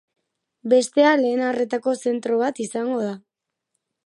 Bestea lehen arretako zentro bat izango da.